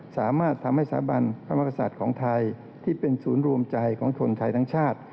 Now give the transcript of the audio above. สามารถทำให้สาบันพระมกษัตริย์ของไทยที่เป็นศูนย์รวมใจของคนไทยทั้งชาติ